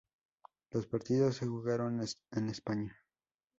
Los partidos se jugaron en España.